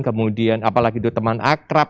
kemudian apalagi itu teman akrab